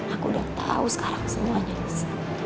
aku udah tau sekarang semuanya nis